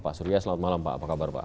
pak surya selamat malam pak apa kabar pak